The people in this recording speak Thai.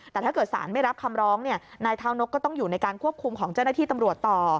แต่ถ้าเกิดสารไม่รับคำร้องนายเท้านกก็ต้องอยู่ในการควบคุมของเจ้าหน้าที่ตำรวจต่อ